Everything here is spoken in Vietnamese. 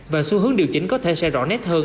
và xu hướng điều chỉnh có thể sẽ rõ nét hơn